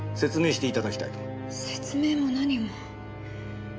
説明も何も。